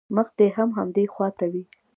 مخ دې هم همدې خوا ته وي.